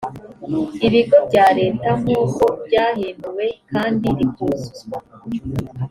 ibigo bya leta nk uko ryahinduwe kandi rikuzuzwa